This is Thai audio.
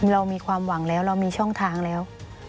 เรามีความหวังแล้วเรามีช่องทางแล้ว